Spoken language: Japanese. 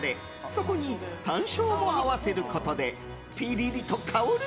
そこに山椒も合わせることでピリリと香る！